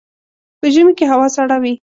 په ژمي کي هوا سړه وي.